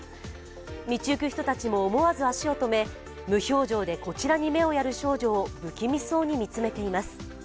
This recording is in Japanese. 道行く人たちも思わず足を止め、無表情でこちらに目をやる少女を不気味そうに見つめています。